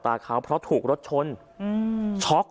พระเจ้าอาวาสกันหน่อยนะครับ